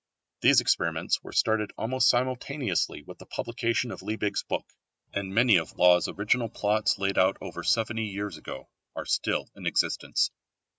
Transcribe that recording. These experiments were started almost simultaneously with the publication of Liebig's book, and many of Lawes' original plots laid out over 70 years ago are still in existence.